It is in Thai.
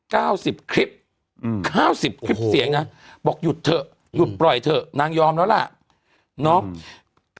เก้าสิบคลิปอืมห้าสิบคลิปเสียงนะบอกหยุดเถอะหยุดปล่อยเถอะนางยอมแล้วล่ะเนาะ